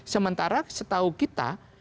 sementara setahu kita